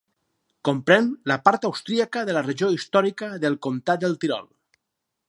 Comprèn la part austríaca de la regió històrica del comtat del Tirol.